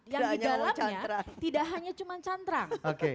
yang di dalamnya tidak hanya cuma cantrang